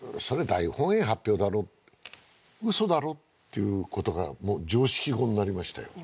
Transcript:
大本営発表だろ嘘だろっていうことがもう常識語になりましたよ